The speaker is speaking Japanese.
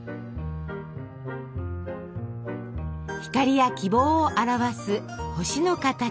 光や希望を表す星の形。